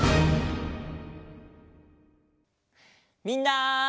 みんな！